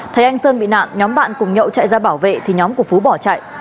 thấy anh sơn bị nạn nhóm bạn cùng nhậu chạy ra bảo vệ thì nhóm của phú bỏ chạy